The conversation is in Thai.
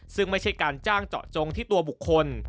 ซึ่งไม่ใช่การจ้างเจาะจงที่ตัวบุคคล